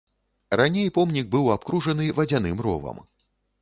Раней помнік быў абкружаны вадзяным ровам.